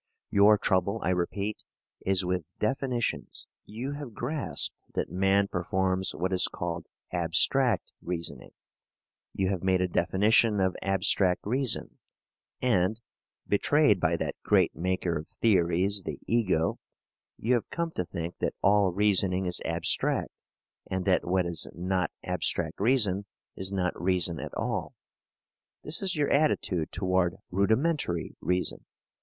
Your trouble, I repeat, is with definitions. You have grasped that man performs what is called abstract reasoning, you have made a definition of abstract reason, and, betrayed by that great maker of theories, the ego, you have come to think that all reasoning is abstract and that what is not abstract reason is not reason at all. This is your attitude toward rudimentary reason.